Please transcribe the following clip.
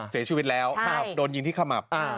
เสียชีวิตแล้วโดนยิงที่ขมับ